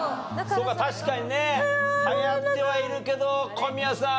そうか確かにね流行ってはいるけど小宮さん。